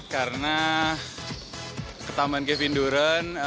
karena ketambahan kevin durant